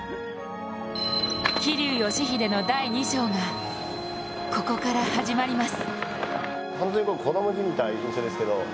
桐生祥秀の第２章が、ここから始まります。